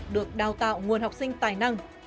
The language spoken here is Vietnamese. được đào tạo nguồn học sinh tài năng